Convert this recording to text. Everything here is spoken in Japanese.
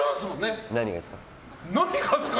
何がですか？